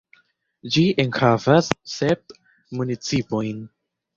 Ĝi enhavas sep municipojn.